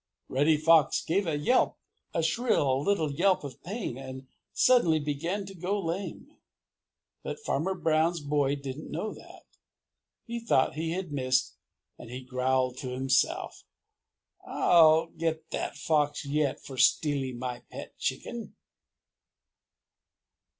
Reddy Fox gave a yelp, a shrill little yelp of pain, and suddenly began to go lame. But Farmer Brown's boy didn't know that. He thought he had missed and he growled to himself: "I'll get that fox yet for stealing my pet chicken!"